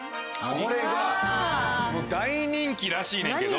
これが大人気らしいねんけど。